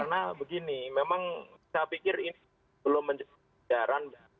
karena begini memang saya pikir ini belum menjadi jajaran